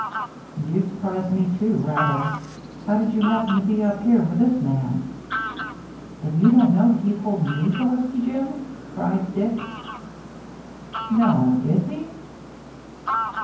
" And you surprised me too, rather. How did you happen to be up here with this man?" " Then you don't know that he's holding me for Whiskey Jim ?" cried Dick. "No — is he?"